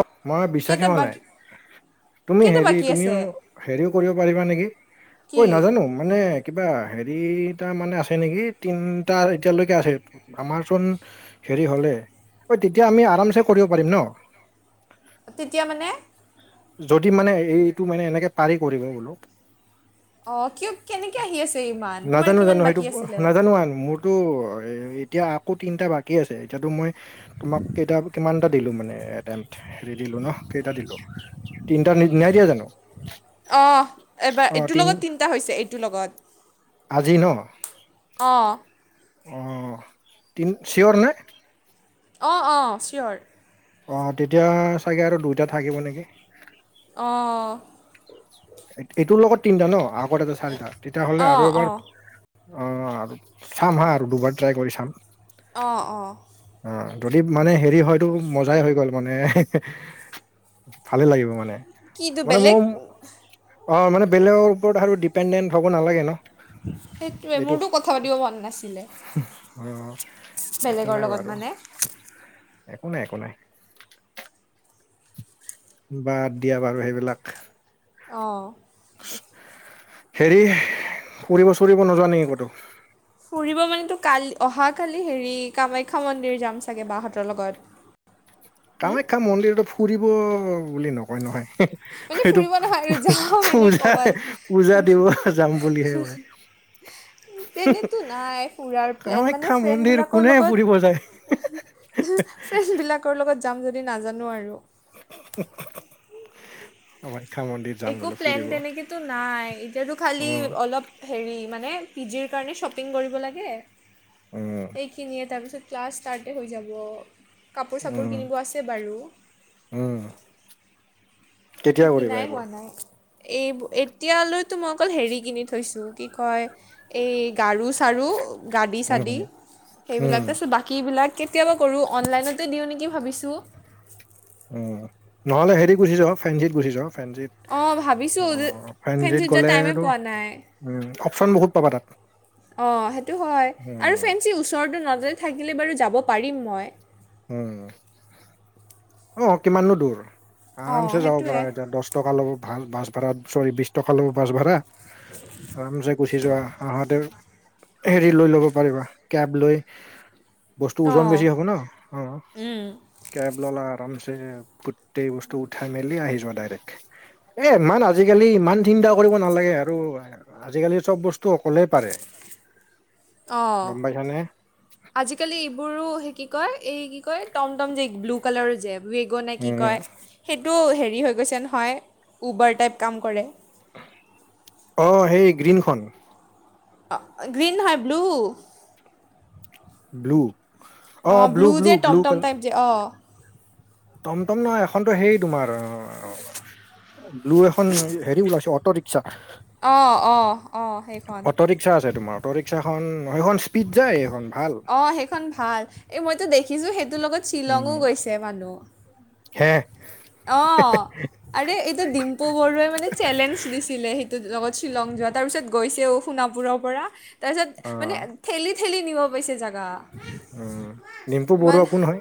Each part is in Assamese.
অ' মই বিশ্বাস কেইটা হেৱা নাই। বাকী তুমি কেইটা হেৰি বাকী তুমিও আছে হেৰিও কৰিব পাৰিবা নেকি? কি ঐ নাজানো মানে কিবা হেৰিটা মানে আছে নেকি? তিনিটা এতিয়ালৈকে আছে। আমাৰচোন হেৰি হলে, অ' তেতিয়া আমি আৰামছে কৰিব পাৰিম ন? তেতিয়া মানে- যদি মানে এইটো মানে এনেকে পাৰি কৰিব বোলো। অঁ কিয় কেনেকৈ আহি আছে ইমান তোমাৰ নাজানো কিমান জানো সেইটো বাকী আছিলে নাজানো আনো মোৰ টো এতিয়া আকৌ তিনটা বাকী আছে, এতিয়াতো মই তোমাক কেইটা কিমানটা দিলো মানে এ হে দিলো ন' কেইটা দিলো তিনিটা নাই দিয়া জানো? অ' এইবাৰ অ এইটোৰ তিন লগত তিনিটা হৈছে, এইটোৰ লগত। আজি ন'? অঁ',। অ' তিনি চিয়'ৰ নে? অঁ', অঁ' ছিয়'ৰ। অঁ', তেতিয়া চাগে আৰু দুইটা থাকিব নেকি? অঁ' এইটোৰ লগত তিনিটা ন'? আগত এটা চাৰিটা তেতিয়াহলে অঁ আৰু এবাৰ অঁ অ' আৰু চাম হা আৰু দুবাৰ ট্ৰাই কৰি চাম। অঁ', অঁ' অ যদি মানে হেৰি হয়তো মজাই হৈ গ'ল মানে ভালে লাগিব মানে কি তু মানে বেলেগ মোৰ অ মানে বেলেগৰ ওপৰত আৰু ডিপেণ্ডেণ্ট হ'ব নালাগে ন সেইটোৱে এইটো মোৰতো কথা পাতিব মন নাছিলে অ একো বেলেগৰ নাই লগত বাৰু মানে একো নাই একো নাই বাদ দিয়া বাৰু সেইবিলাক অঁ হেৰি কৰিব চুৰিব নোযোৱা নেকি ক'তো? ফুৰিব মানো কালি অহা কালি হেৰি কামাখ্যা মন্দিৰ যাম চাগে বাহঁতৰ লগত। কামাখ্যা মন্দিৰতো ফুৰিব বুলি নকয় নহয়। মানে সেইটো ফুৰিব নহয় আৰু যাম এনে পূজা ক'ৰবাত পূজা দিব যাম বুলিহে কৈ। তেনেতো নাই [unintelligible] ফুৰাৰ প্লেন মানে কামাখ্যা মন্দিৰ ফ্ৰেণ্ডবিলাকৰ কোনে লগত ফুৰিব যায় হ বিলাকৰ লগত যাম যদি নাজানো আৰু কমাখ্যা মন্দিৰ যাম একো বোলে প্লেন ফুৰিব তেনেকেতো নাই এতিয়াতো খালী উম অলপ হেৰি মানে পি জিৰ কাৰণে শ্বপিং কৰিব লাগে উম এইখিনিয়ে তাৰপিছত ক্লাছ ষ্টাৰ্টেই হৈ যাব কাপোৰ চাপোৰ উম কিনিব আছে বাৰু উম একো কেতিয়া কৰিবা কিনাই হোৱা এইবোৰ নাই এতিয়ালৈত মই অকল হেৰি কিনি ঠৈছো কি কয় এই গাৰু চাৰু গাদী চাদি উম সেইবিলাক উম তাৰছ বাকীবিলাক কেতিয়াবা কৰোঁ অনলাইনতে দিওঁ নেকি ভাবিছোঁ অ নহ'লে হেৰিত গুচি যাওক ফেঞ্চিত গুচি যাওক অঁ ভাবিছোঁ ফেঞ্চিত অ যে- ফেঞ্চিত ফেনডিত যোৱা গ'লে টাইমেই আৰু পোৱা নাই উ অপচন বহুত পাবা তাত অঁ সেইটো হয় আৰু উম ফেঞ্চি ওচৰটো নাজলে থাকিলে বাৰু যাব পাৰিম মই উ অ কিমাননো দূৰ অঁ আৰামছে যাব সেইটোৱে পাৰা এতিয়া দহ টকা ল'ব ভাল বাছ ভাড়াত চৰি বিছ টকা ল'ব বাছ ভাড়া আৰামচো গুচি যোৱা আহাতে হেৰি লৈ ল'ব পাৰিবা কেব লৈ বস্তু ওজন অঁ বেছি হ'ব ন অ উম কেব লোলা আৰামছে গোটেই বস্তু উঠাই মেলি আহি য ডাইৰেক্ট এ ইমান আজিকালি ইমান চিন্তা কৰিব নালাগে আৰু আজিকালি চব বস্তু অকলেই পাৰে অঁ গম পাইছানে আজিকালি এইবোৰো সি কি কয় এই কি কয় টম টম যে ব্লু কালাৰো জে ৱেগো নে কি উম কয় সেইটো হেৰি হৈ গৈছে নহয় উবাৰ টাইপ কাম কৰে অ সেই গ্ৰীণখন অ গ্ৰীন হ ব্লু ব্লু অ অঁ ব্লু ব্লু যে ব্লু টমটম ক্লাৰ টাইপ যে অঁ টমটম নহয়, এখনতো হেৰি তোমাৰ অ ব্লু এখন হেৰি ওলাইছো অত- অট ৰিস্কা। অঁ অঁ অঁ সেইখন। ৰিক্সা আছে তোমাৰ অটো ৰিক্সাখন সেইখন স্পীড যায় সেইখন ভাল। অ সেইখন ভাল। এই মইতো দেখিছো সেইটোৰ লগত - উম। পালো। শেষ। অ। আৰে এইটো ডিম্পু বডৰুৱাই মানে চেলেঞ্জ দিছিলে সেইটোত লগত শ্বিলং যোৱা তাৰ পিছত গৈছেও। সোণাপুৰৰ পৰা তাৰপিছত অ মানে ঠেলি ঠেলি নিব পাইছে জেগা। উম, ডিম্পু ইমান বৰুৱা কোন হয়?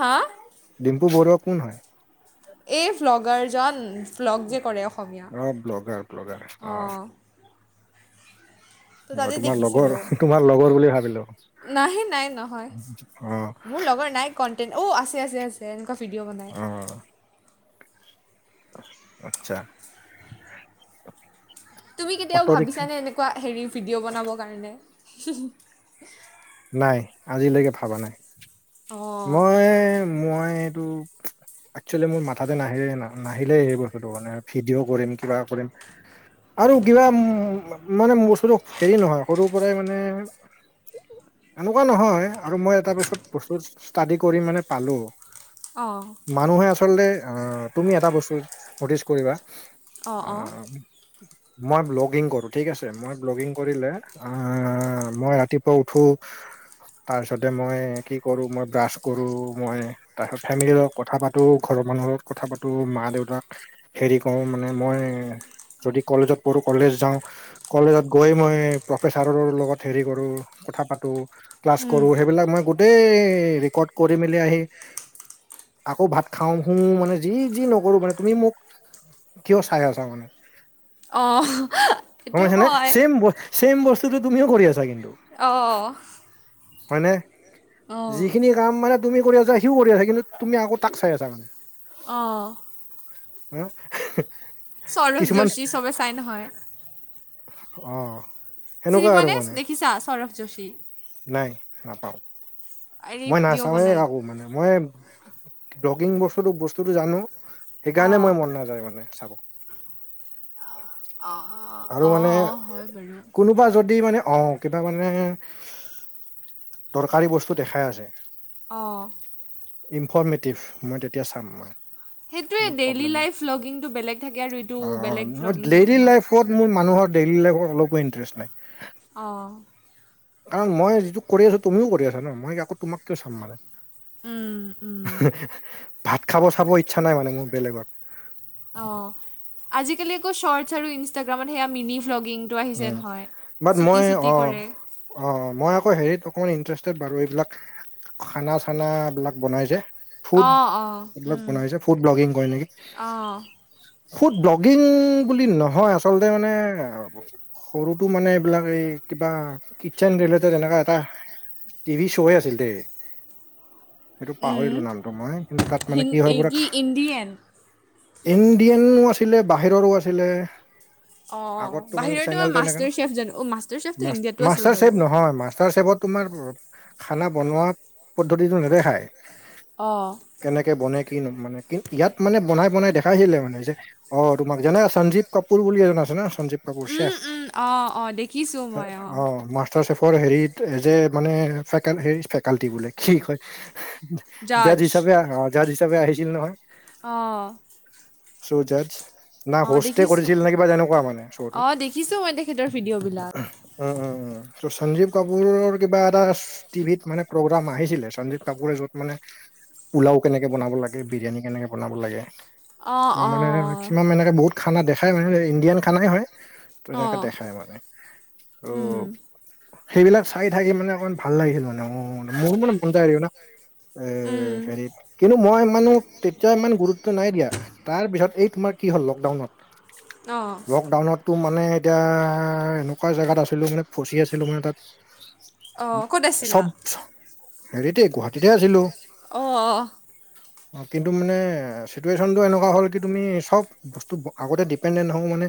হা? ডিম্পু বৰুৱা কোন হয়? এই ভ্লগাৰজন ভ্লগ যে কৰে অসমীয়া, অ ব্লগাৰ ব্লগাৰ অ অঁ। ত মই তাতে তোমাৰ লগৰ দেখিছিলো, তোমাৰ লগৰ বুলি ভাবিলো। নাই নাই নহয় অ মোৰ লগৰ নাই। কণ্টেণ্ট অ আছে আছে আছে। এনেকুৱা ভিডিঅ' বনাই আহ, আচ্ছা। তুমি কেতিয়াও অটো ৰিক্সা ভাবিছানে এনেকুৱা হেৰি ভিডিঅ' বনাবৰ কাৰণে? নাই আজিলৈকে ভাবা নাই। অঁ মই - মই এইটো একচুৱেলি মোৰ মাথাতে নাহিলে নাহিলেই এই বস্তুটো মানে। ভিডিঅ' কৰিম কিবা কৰিম আৰু কিবা মানে বস্তুটো - হেৰি নহয় সৰুৰ পৰাই মানে - এনেকুৱা নহয় আৰু মই এটা পিছত বস্তু ষ্টাডি কৰি মানে পালো - অঁ। মানুহে আচলতে আহ তুমি এটা বস্তু নটিচ কৰিবা। অঁ অঁ আহ - মই ব্লগিং কৰো ঠিক আছে মই ব্লগিং কৰিলে - অ মই ৰাতিপুৱা উঠো তাৰপিছতে মই কি কৰো, মই - ব্ৰাছ কৰো মই তাৰপিছত ফেমিলিৰ লগত কথা পাতো ঘৰৰ মানুহৰ লগত কথা পাতো মা দেউতাক - হেৰি কৰো মানে মই যদি কলেজত পঢ়ো কলেজ যাওঁ। কলেজত গৈ মই প্ৰফেচাৰৰ লগত হেৰি কৰোঁ কথা পাতোঁ। ক্লাছ উম, কৰো সেইবিলাক মই গোটেই ৰেকৰ্ড কৰি মেলি আহি - আকৌ ভাত খাওঁ শুও মানে যি যি নকৰো মানে তুমি মোক - কিয় চাই আছা মানে - অঁ সেইটো পাইছানে হয়। ছেম ছেম বস্তুটো তুমিও কৰি আছা কিন্তু! অ। হয়নে? অঁ। যিটো কাম মানে তুমি আছা সিও কৰিছা কিন্তু তুমি আকৌ তাক চাই আছা মানে। অঁ। হা, হেঁ। সৌৰভ যোশী সবে চাই নহয়। অঁ। চিনি পোৱা নে দেখিছা সৌৰভ যোশী? নাই নাপাওঁ। হেৰি মই ভিডিঅ' নাচাওঁওৱে বনাই কাকো মানে মই ডগিং বস্তু বস্তুটো জানো- সেইকাৰণে অঁ মই মন নাযায় মানে চাব। অঁ অ' আৰু মানে কোনোবা যদি মানে অঁ কিবা মানে- দৰকাৰী বস্তু দেখাই আছে। অঁ' ইনফৰৰ্মেটিভ মই তেতিয়া চাম মই। সেইটোৱে ইমান ডেইলি প্ৰবলেম নাই, লাইফ ভ্লগিংটো বেলেগ থাকে আৰু এইটো বেলেগ অঁ অঁ' ভ্লগিং থাকে দেইলী ন লাইফত- মোৰ মানুহৰ ডেইলি লাইফত অলপো ইন্টাৰেষ্ট নাই। অঁ' কাৰণ মই যিটো কৰি আছো তুমিও কৰি আছা ন মই আকৌ তোমাক কিয় চাম মানে? উম উম ভাত খাব চাব ইচ্ছা নাই মানে মোৰ বেলেগৰ। অঁ আজিকালি আকৌ শ্বৰ্টছ আৰু ইনষ্টাগ্ৰামত সেয়া মিনি ভ্লগিং- টো আহিছে উম নহয়, চুটি চুটি কৰে। অঁ অঁ মই আকৌ হেৰিত অকমান ইণ্টাৰেষ্টেড বাৰু, এইবিলাক- খানা চানা বিলাক বনাই যে- ফুড অ' অ' ব্লগ বনাই যে, ফুড ব্লগিং কয় নেকি? অ'। ফুড ব্লগিং বুলি নহয়, আচলতে মানে- সৰুতো মানে এইবিলাক, এই কিবা কিটচেন ৰিলেটেড এনেকা এটা- টিভি শ্ব'য়েই আছিল দেই। সেইটো উম, পাহৰিলো নামটো মই কিন্তু তাত মানে হিন কি হয় এই পুৰা খা- ইণ্ডিয়ান। ইণ্ডিয়ানো আছিলে বাহিৰৰো আছিলে। অঁ, অঁ, আগততো মানে বাহিৰৰটো চেনেল তেনেকে ন মাষ্টাৰ চেফ জানো? অ' মাষ্টাৰেফটো ইণ্ডিয়াতো আছিল বাৰু। হয়, মাষ্টাৰ চেফত তোমাৰ খানা বনোৱা পদ্ধতিটো নেদেখায়। অঁ' কেনেকে বনে কি নো মানে? কিন্তু ইয়াত মানে বনাই বনাই দেখাইছিলে মানে যে- অ', তোমাক জানা সঞ্জীৱ কাপুৰ বুলি এজন আছে না, সঞ্জীৱ- কাপুৰ চেফ, উম, উম, অ' অ' দেখিছোঁ অঁ, মই অ' অঁ, মাছ- টাৰ চেফৰ হেৰিত এজ এ মানে, ফেকেন হেৰি ফেকাল্টি বোলে। কি হয়? জাজ হিচাপে আহ, জাজ হিচাপে আহিছিল নহয়। অঁ' শ্ব' জজ, না অ' হোষ্টে দেখিছোঁ কৰিছিল নে কিবা তেনেকুৱা মানে শ্ব'টো। ফিদৰ ভিদিঅ' বিল- উম, উম, উম' ত' সঞ্জীৱ কাপুৰৰ কিবা এটা- টিভিত মানে প্ৰগ্ৰাম আহিছিলে, সঞ্জীৱ কাপুৰে য'ত মানে- পোলাও কেনেকে বনাব লাগে, বিৰিয়ানী কেনেকে বনাব লাগে? অ' ত' মানে অ' মেক্সিমাম এনেকে বহুত খানা দেখাই মানে, ইণ্ডিয়ান খানাই হয়। তেনেকে অ' দেখাই মানে। অও। উম, সেইবিলাক চাই থাকি মানে অকমান ভাল লাগিছিল মানে, উম'মোৰো মানে মন যায় আৰু না। এ এ উম, হেৰিত। কিন্তু মই ইমানো তেতিয়া ইমান গুৰুত্ব নাই দিয়া, তাৰপিছত এই তোমাৰ কি হ'ল লকডাউনত- অ' লকডাউনতটো মানে- এতিয়া এনেকুৱা জেগাত আছিলো মানে, ফচি আছিলো মানে তাত। অ' ক'ত আছিলা? চব হেৰিতেই, গুৱাহাটীতেই আছিলো। অ', অ'। অ', কিন্তু মানে চিটুৱেশ্যনটো এনেকুৱা হ'ল, কি তুমি চব বস্তু আগতেই দিপেন্দেন্ত হওঁক মানে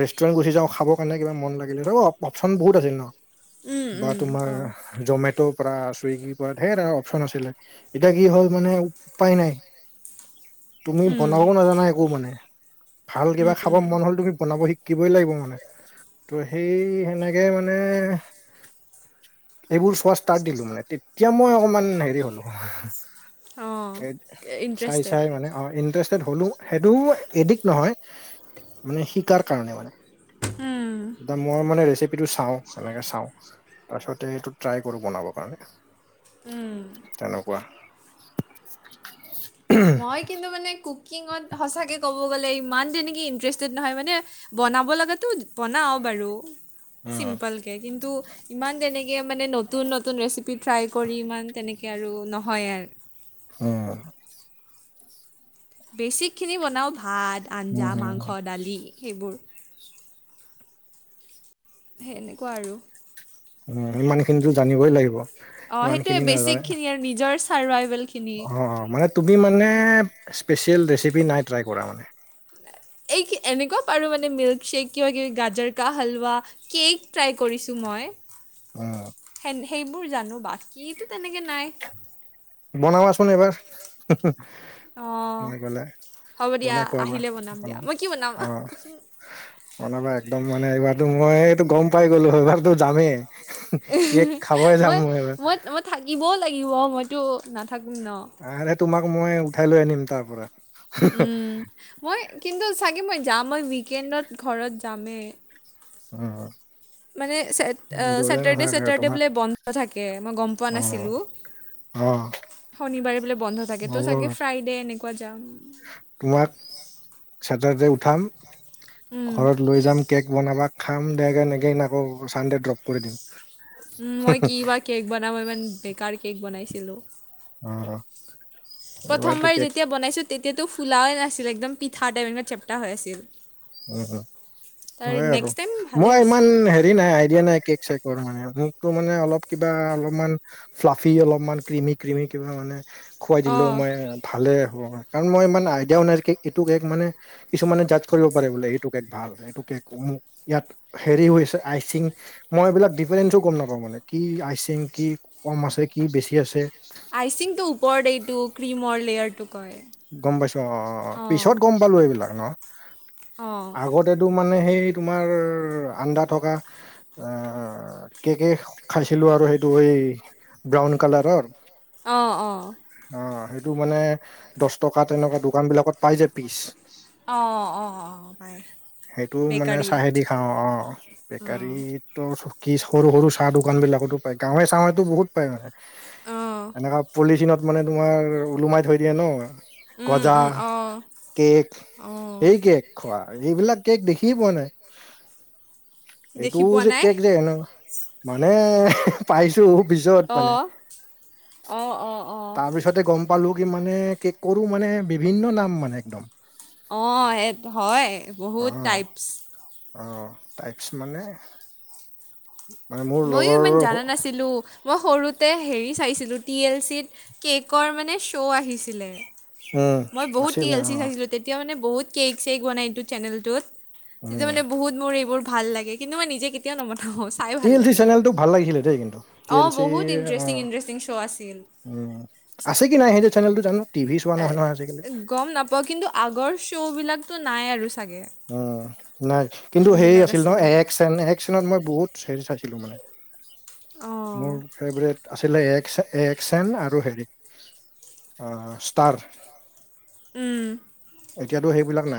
ৰেষ্টুৰেণ্ট গুচি যা খাবৰ কাৰণে কিবা মন লাগিলে, ৰ অপচন বহুত আছিল ন, উম, বা উম, তোমাৰ অ'। জমেট'ৰ পৰা, চুইগিৰ পৰা, ধেৰ আৰু অপচন আছিলে। এতিয়া কি হ'ল মানে উপায় নাই, তুমি বনাব নাজানা একো মানে ভাল কিবা খাব মন হ'ল, তুমি বনাব শিকিবই লাগিব মানে। ত' সেই সেনেকেই মানে এইবোৰ চোৱা ষ্টাৰ্ট দিলো মানে, তেতিয়া মই অকমান হেৰি হ'লো। চাই ইণ্টাৰেষ্ট চাই মানে ইণ্টাৰেষ্টেড হ'লো, সেইটো এডিক্ট নহয়, মানে শিকাৰ কাৰণে মানে। উম। এতিয়া মই মানে ৰেচিপিটো চাওঁ, সেনেকে চাওঁ তাৰপিছতে এইটো ট্ৰাই কৰো, বনাবৰ কাৰণে। উম। তেনেকুৱা, হুম। মই কিন্তু মানে কুকিঙত সঁচাকৈ ক'ব গ'লে, ইমান তেনেকৈ ইণ্টাৰেষ্টেড নহয় মানে। বনাব লগাতো বনাওঁ বাৰু উম চিম্পলকৈ, কিন্তু ইমান তেনেকে মানে নতুন নতুন ৰেচিপি ট্ৰাই কৰি ইমান তেনেকে আৰু নহয় আৰু। অ'। বেছিকখিনি বনাওঁ ভাত, হুম, আঞ্জা, হুম, মাংস, দালি সেইবোৰ। সেনেকুৱা আৰু। উম, ইমান খিনিতো জানিবই লাগিব। অ' সেইটোয়ে ইমানখিনি বেছিক খিনি আৰু নিজৰ চাৰভাইভেল খি অ', অ', মানে তুমি মানে স্পেচিয়েল ৰেচিপি নাই ট্ৰাই কৰা মানে? এই এনেকুৱা পাৰো মানে মিল্কশ্বেক কিবা কিবি গাজাৰ কা হালৱা কেক ট্ৰাই কৰিছোঁ মই। উম। সে সেইবোৰ জানো, বাকীতো তেনেকে নাই। বনাবাচোন এবাৰ, হা হা, অঁ মই গ'লে। হ'ব দিয়া বনাই খুৱাবা। আহিলে বনাম দিয়া মই কি বনাম। কোনোবা একদম মানে এইবাৰতো মই এইটো গ'ম পাই গ'লো এইবাৰতো যামেই। কেক খাবই যাম মই এইবাৰ। থাকিবও লাগিব মইতো নাথাকিম ন'। আৰে তোমাক মই উঠাই লৈ আনিম তাৰ পৰা। উম, মই কিন্তু চাগে মই যাম মই উইকেণ্ডত ঘৰত যামেই। উম। মানে ছে ছেটাৰডে ছেটাৰডে তোমাক বোলে বন্ধ থাকে মই গ'ম পোৱা অ', নাছিলোঁ। অ'। শনিবাৰে বোলে বন্ধ থাকে ত' হ'ব চাগে ফ্ৰাইডে এনেকুৱা যাম। তোমাক ছেটাৰডে উঠাম উম ঘৰত লৈ যাম কেক বনাবা খাম দেগে এনেকে আকৌ চানডে ড্ৰপ কৰি দিম। মই কি বা কেক বনাব ইমান বেকাৰ কেক বনাইছিলোঁ। অ', অ'। এইবাৰতো প্ৰথমবাৰ কেক যেতিয়া বনাইছোঁ তেতিয়াতো ফুলাই নাছিল একদম পিঠা চেপটা হৈ আছিল। উম, তাৰ হয় আৰু, নেক্সট টাইম ভালে মই ইমান হৈছিলে। হে হেৰি নাই আইডিয়া নাই কেক চেকৰ মানে মোকতো মানে অলপ কিবা অলপমান ফ্লাফি অলপমান ক্ৰিমি ক্ৰিমি কিবা মানে খুৱাই দিলেও অঁ মই ভালে হয় কাৰণ মই ইমান আইডিয়াও নাই এইটো কেক মানে কিছুমানে জাজ কৰিব কৰে বোলে এইটো কেক ভাল এইটো কেক মোক ইয়াত হেৰি হৈছে আই ছিং। মই এইবিলাক ডিফাৰেনছো গ'ম নাপাওঁ মানে কি আইচং কি কম আছে কি বেছি আছে। আইচিংটো। পৰ্ড এইটো ক্ৰীমৰ লেয়াৰটো কয়। গ'ম পাইছো অ', অ', অঁ পিছত গ'ম পালো এইবিলাক ন' অঁ আগত [unintelligible] মানে সেই তোমাৰ আন্দা থকা। অ' কেকে খাইছিলো আৰু সেইটো এই ব্ৰাউন কালাৰৰ। অ', অ'। অ' সেইটো মানে দহ টকা তেনেকুৱা দোকান বিলাকত পাই যে পিচ। অ', অ', অ', অ', পাই। সেইটো মানে চাহেদি খাওঁ অ' অঁ বেকাৰীত [unintelligible] কি সৰু সৰু চাহ দোকান বিলাকতো পায় গাঁৱে চাঁৱতো বহুত পাই মানে অঁ এনেকা পলিথিনত মানে তোমাৰ ওলোমাই থৈ দিয়ে ন'। উম গজা, উম অঁ কেক অঁ সেই কেক খোৱা এইবিলাক কেক দেখিয়ে পোৱা নাই। এইটো দেখি পোৱা যে নাই কেক যেই ন'। মানে পাইছো পিছত মানে। অ', অ', অ'। মুঠছতে গ'ম পালোঁ কি মানে কেকওৰো মানে বিভিন্ন নাম মানে একদম। অ' সেই হয় অ বহুত টাইপছ। অ, টাইপছ মানে, মানে মোৰ লগৰ লো। মই সৰুতে হেৰি চাইছিলোঁ টি এল চিত কেকৰ মানে শ্ব' আহিছিলে। উম মই বহুত টি আছিলে এল অ চি চাইছিলো তে তেতিয়া মানে বহুত কেক, চেক বনাই এইটো চেনেলতটোত উম তেতিয়া মানে বহুত মোৰ এইবোৰ ভাল লাগে। কিন্তু মই নিজে কেতিয়া নবনাওঁ চাই টি ভাল এল লাগে। চি চেনেলটো ভাল লাগিছিলে দেই কিন্তু টি অঁ এল চি। বহুত অ ইণ্টাৰেষ্টিং ইণ্টাৰেষ্টিং শ্ব' আছিল উম, আছে কি নাই সেইটো চেনেলটো জানো টিভি চোৱা নহয়, নহয় আজিকালি। ব কিন্তু আগৰ শ্ব'বিলাকতো নাই আৰু চাগে। উম, নাই কিন্তু হেৰি যোনবিলাক আছিল ন' আছিলে এক চেন এক [unintelligible] চাইছিলো মানে মোৰ অঁ ফেভৰেট [unintelligible] এক্স এন আৰু হেৰি, ষ্টাৰ। উম। এতিয়াতো সেইবিলাক নাই।